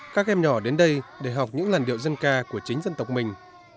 các em nhỏ đến đây để học những làn điệu dân ca của chính dân tộc mình